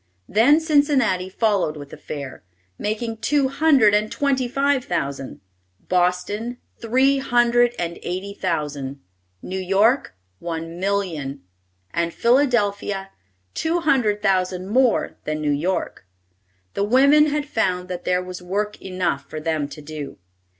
Then Cincinnati followed with a fair, making two hundred and twenty five thousand; Boston, three hundred and eighty thousand; New York, one million; and Philadelphia, two hundred thousand more than New York. The women had found that there was work enough for them to do.